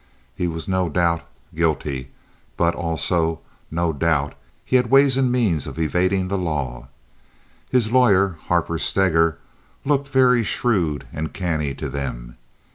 He was, no doubt, guilty; but, also, no doubt, he had ways and means of evading the law. His lawyer, Harper Steger, looked very shrewd and canny to them.